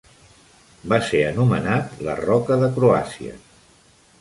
Va ser anomenat la "Roca de Croàcia".